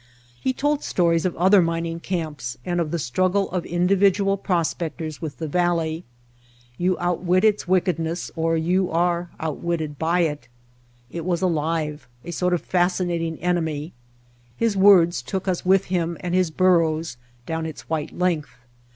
He told stories of other mining camps and of the struggle of individual prospectors with the valley. You outwit its wickedness or you are outwitted by it. It was alive, a sort of fascinat ing enemy. His words took us with him and his burros down its white length.